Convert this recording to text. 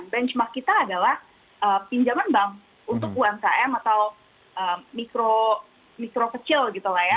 benchmark kita adalah pinjaman bank untuk umkm atau mikro kecil gitu lah ya